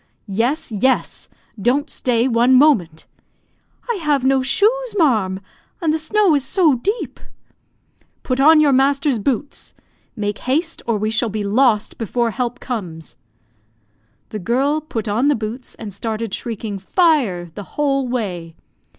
"Yes, yes! Don't stay one moment." "I have no shoes, ma'arm, and the snow is so deep." "Put on your master's boots; make haste, or we shall be lost before help comes." The girl put on the boots and started, shrieking "Fire!" the whole way.